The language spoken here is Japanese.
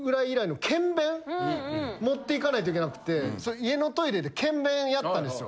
持っていかないといけなくてそれ家のトイレで検便やったんですよ。